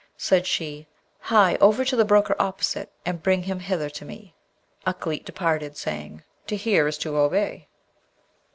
Said she, 'Hie over to the broker opposite, and bring him hither to me.' Ukleet departed, saying, 'To hear is to obey.'